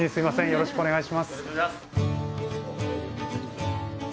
よろしくお願いします。